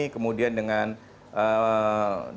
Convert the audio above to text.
kemudian dengan daerah sedikit lain